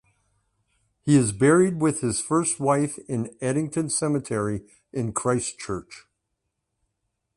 He is buried with his first wife in Addington Cemetery in Christchurch.